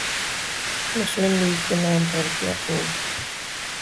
مسلم لیگ کے نام پر کیا خوب